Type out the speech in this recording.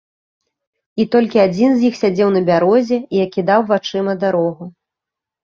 І толькі адзін з іх сядзеў на бярозе і акідаў вачыма дарогу.